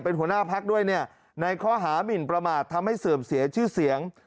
เป็นหัวหน้าพักด้วยเนี่ยในข้อหามินประมาททำให้เสื่อมเสียชื่อเสียง